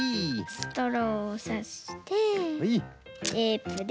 ストローをさしてテープで。